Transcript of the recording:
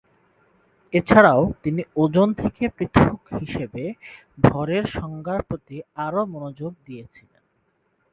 এছাড়াও, তিনি ওজন থেকে পৃথক হিসেবে ভরের সংজ্ঞার প্রতি আরও মনোযোগ দিয়েছিলেন।